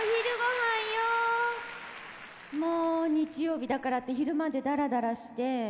もう日曜日だからって昼までダラダラして。